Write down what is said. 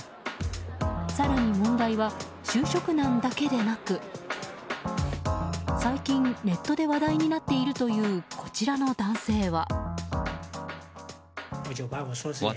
更に問題は、就職難だけでなく最近、ネットで話題になっているというこちらの男性は。